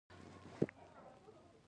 چین خصوصي سکتور ډېر قوي شوی.